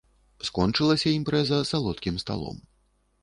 Скончылася імпрэза салодкім сталом.